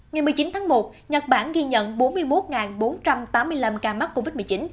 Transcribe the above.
ngày một mươi chín tháng một nhật bản ghi nhận bốn mươi một bốn trăm tám mươi năm ca mắc covid một mươi chín